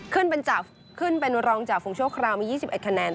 ขึ้นเป็นวันรองจ่าฟูโชว์คราวมี๒๑คะแนน